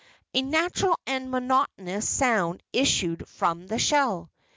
A natural and monotonous sound issued from the shell.